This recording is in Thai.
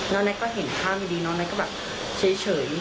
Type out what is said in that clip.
น้องเน็ตก็เห็นท่าไม่ดีน้องเน็ตก็แบบเฉย